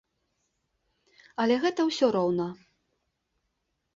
Але гэта ўсё роўна.